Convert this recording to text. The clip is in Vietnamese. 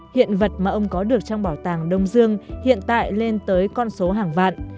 hiện vật mà ông có được trong bảo tàng đông dương hiện tại lên tới con số hàng vạn